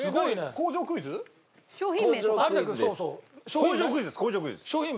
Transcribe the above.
工場クイズです。